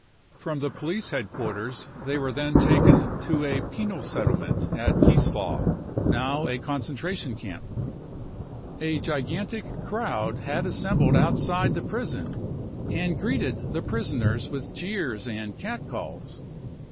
From the police headquarters they were then taken to the penal settlement at Kieslau, now a concentration camp. A gigantic crowd had assembled outside the prison, and greeted the prisoners with jeers and catcalls.